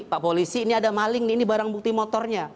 pak polisi ini ada maling ini barang bukti motornya